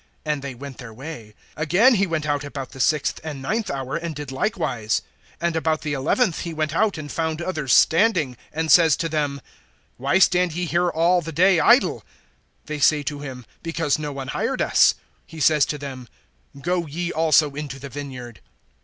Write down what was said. And they went their way. (5)Again he went out about the sixth and ninth hour, and did likewise. (6)And about the eleventh he went out, and found others standing, and says to them: Why stand ye here all the day idle? (7)They say to him: Because no one hired us. He says to them: Go ye also into the vineyard.